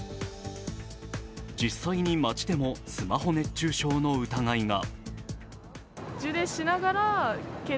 実際に街でもスマホ熱中症の疑いが。